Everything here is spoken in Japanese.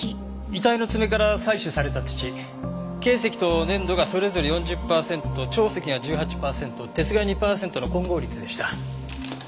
遺体の爪から採取された土珪石と粘土がそれぞれ４０パーセント長石が１８パーセント鉄が２パーセントの混合率でした。